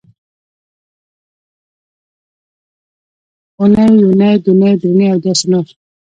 اونۍ یونۍ دونۍ درېنۍ او داسې نور